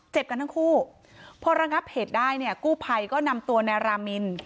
กันทั้งคู่พอระงับเหตุได้เนี่ยกู้ภัยก็นำตัวนายรามิน